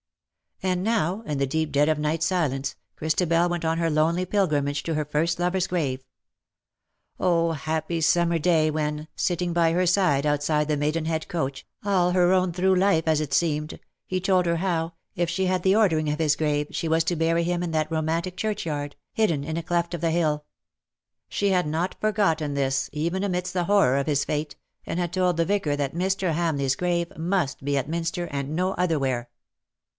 And nowj in the deep dead of night silence, Christabel went on her lonely pilgrimage to her first lover^s grave. Oh_, happy summer day when, sitting by her side outside the Maidenhead coach, all her own through life, as it seemed, he told her how, if she had the ordering of his grave, she was to bury him in that romantic churchyard, hidden WITH A PALE YET STEADY FACE.'^ 267 in a cleft of the hili. She had not forgotten this even amidst the horror of his fate^ and had told the vicar that Mr. Hamleigh's grave must be at Minster and no otherwhere.